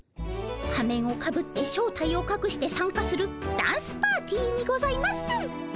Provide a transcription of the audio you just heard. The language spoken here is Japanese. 仮面をかぶって正体をかくして参加するダンスパーティーにございます。